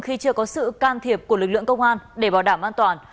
khi chưa có sự can thiệp của lực lượng công an để bảo đảm an toàn